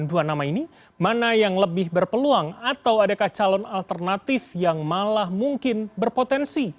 dua nama ini mana yang lebih berpeluang atau adakah calon alternatif yang malah mungkin berpotensi